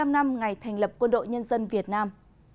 bảy mươi năm năm ngày thành lập quân đội nhân dân việt nam